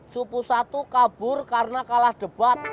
supu satu kabur karena kalah debat